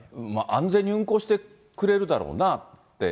安全に運航してくれるだろうなって。